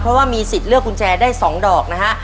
เพราะว่ามีสิทธิ์เลือกกุญแจได้๒ดอกนะฮะ